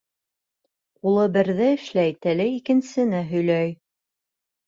Ҡулы берҙе эшләй, теле икенсене һөйләй.